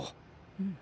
うん。